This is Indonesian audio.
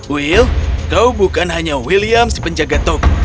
wil kau bukan hanya william si penjaga toko